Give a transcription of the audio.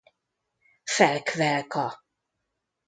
Felk Velka.